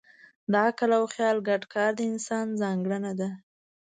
د عقل او خیال ګډ کار د انسان ځانګړنه ده.